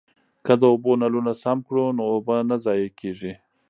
که د اوبو نلونه سم کړو نو اوبه نه ضایع کیږي.